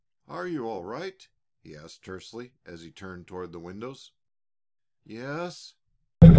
"Are you all right?" he asked tersely as he turned toward the windows. "Yes."